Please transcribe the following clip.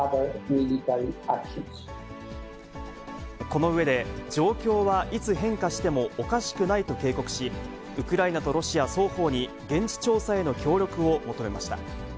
この上で、状況はいつ変化してもおかしくないと警告し、ウクライナとロシア双方に、現地調査への協力を求めました。